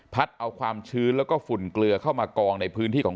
เอาความชื้นแล้วก็ฝุ่นเกลือเข้ามากองในพื้นที่ของ